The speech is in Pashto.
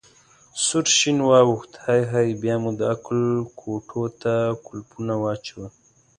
سور شین واوښت: هی هی، بیا مو د عقل کوټو ته کولپونه واچول.